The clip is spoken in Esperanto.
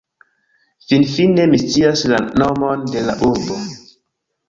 Finfine, mi scias la nomon de la urbo